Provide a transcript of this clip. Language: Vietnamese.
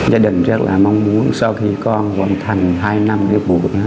lên đường nhập ngũ là vinh dự trách nhiệm của mỗi thanh niên là niềm tự hào tiếp bước truyền thống